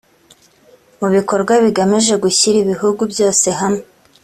mu bikorwa bigamije gushyira ibihugu byose hamwe